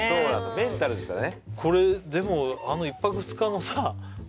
メンタルですからね